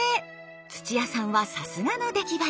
土屋さんはさすがの出来栄え。